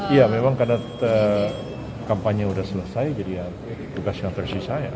iya memang karena kampanye sudah selesai jadi ya tugas yang versi saya